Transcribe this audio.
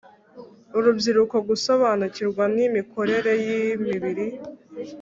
urubyiruko gusobanukirwa n imikorere y imibiri